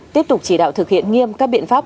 tiếp tục chỉ đạo thực hiện nghiêm các biện pháp